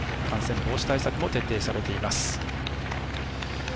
感染防止対策も徹底されています。